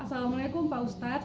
assalamu'alaikum mbak ustadz